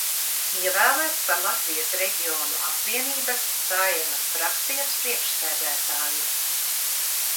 Ievēlēts par Latvijas Reģionu apvienības Saeimas frakcijas priekšsēdētāju.